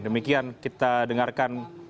demikian kita dengarkan